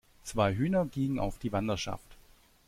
Zwei Hühner gingen auf die Wanderschaft!